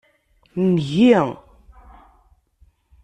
Ngi.